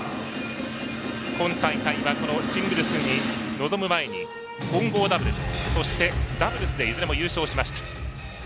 今大会はシングルスに臨む前に混合ダブルス、そしてダブルスでいずれも優勝しました。